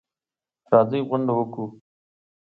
راځئ غونډه وکړو.